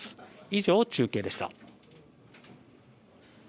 以上、中継でした。